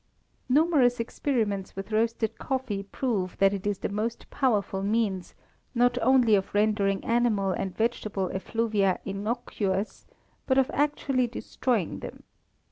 Numerous experiments with roasted coffee prove that it is the most powerful means, not only of rendering animal and vegetable effluvia innocuous, but of actually destroying them.